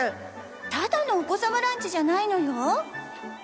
ただのお子さまランチじゃないのよ。